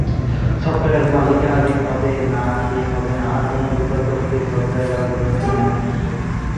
Software মালিকানাধীন হবে নাকি হবে না এমন বিতর্ক ফ্রি সফটওয়্যার আন্দোলনের নামে এখনও চলছে।